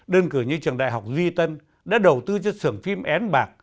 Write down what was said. đơn cử như trường đại học duy tân đã đầu tư cho sưởng phim nvn